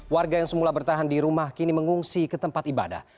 warga yang semula bertahan di rumah kini mengungsi ke tempat ibadah